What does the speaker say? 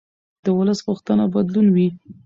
د ولس غوښتنه بدلون وي